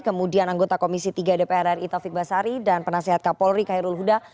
kemudian anggota komisi tiga dpr ri taufik basari dan penasehat kapolri khairul huda